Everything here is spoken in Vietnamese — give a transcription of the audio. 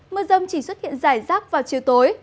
mưa rông chỉ xuất hiện rải rác vào chiều tối